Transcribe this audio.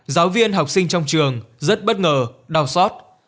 giáo viên học sinh trong trường rất bất ngờ đau xót